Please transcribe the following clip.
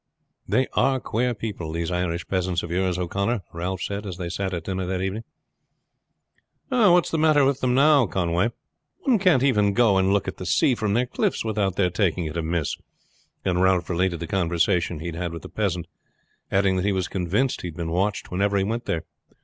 "They are queer people these Irish peasants of yours, O'Connor," Ralph said as they sat at dinner that evening. "What's the matter with them now, Conway?" "One can't even go and look at the sea from their cliffs without their taking it amiss," and Ralph related the conversation he had had with the peasant, adding that he was convinced he had been watched whenever he went there.